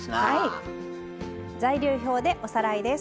材料表でおさらいです。